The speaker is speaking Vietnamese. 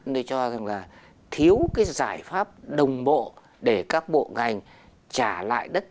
tôi cho rằng là thiếu cái giải pháp đồng bộ để các bộ ngành trả lại đất